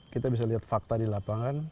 kita bisa lihat fakta di lapangan